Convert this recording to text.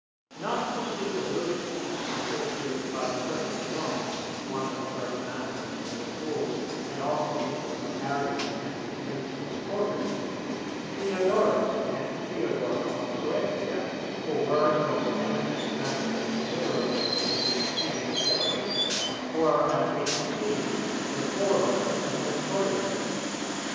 Not to speak of Lucian, whose history is but imperfectly known, (one of the first masters of this school, and also teacher of Arius and his principal supporters), Diodorus and Theodore of Mopsuestia, who were the most eminent masters of literalism in the succeeding generation, were, as we have seen, the forerunners of Nestorianism.